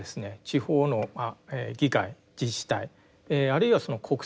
地方の議会自治体あるいは国政にですね